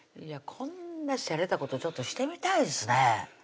こんなしゃれたことちょっとしてみたいですね